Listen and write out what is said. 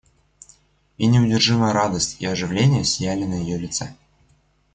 И неудержимая радость и оживление сияли на ее лице.